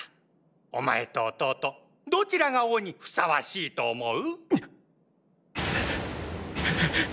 お前と弟どちらが王に相応しいと思う？！